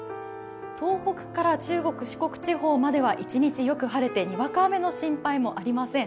東北から中国、四国地方までは一日よく晴れてにわか雨の心配もありません。